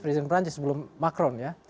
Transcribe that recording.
presiden perancis sebelum macron ya